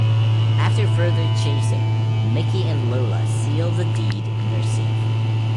After further chasing, Mickey and Lola seal the deed in their safe.